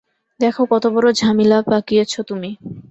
দেখো কত বড় ঝামেলা পাকিয়েছো তুমি।